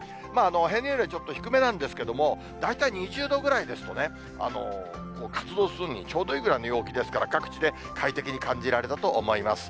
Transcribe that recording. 平年よりはちょっと低めなんですけども、大体２０度ぐらいですとね、活動するのにちょうどいいぐらいの陽気ですから、各地で快適に感じられたと思います。